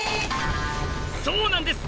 そうなんです！